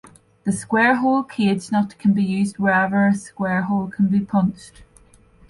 The square-hole cage nut can be used wherever a square hole can be punched.